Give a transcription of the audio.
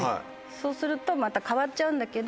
そうするとまた変わっちゃうんだけど。